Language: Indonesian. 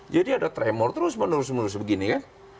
jadi ada tremor terus menerus menerus begini kan